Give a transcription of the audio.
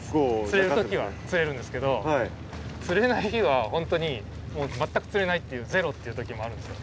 釣れる時は釣れるんですけど釣れない日はほんとに全く釣れないっていうゼロっていう時もあるんですよ